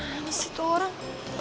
mana sih itu orang